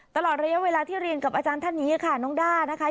ตลอดระยะเวลาที่เรียนกับอาจารย์ท่านนี้ค่ะน้องด้านะคะ